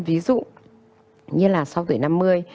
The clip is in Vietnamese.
ví dụ như là sau tuổi năm mươi